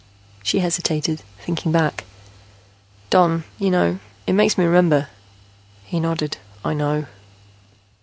She hesitated, thinking back. "Don, you know, it makes me remember " He nodded. "I know."